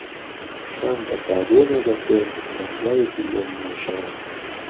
کام ده کادێنێ دهکرد مانگایهکی لێم مووشان